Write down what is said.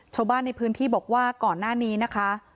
ชาวบ้านในพื้นที่บอกว่าก่อนหน้านี้นะคะ